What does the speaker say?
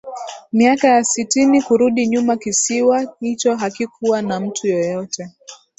Miaka ya sitini kurudi nyuma kisiwa hicho hakikuwa na mtu yeyote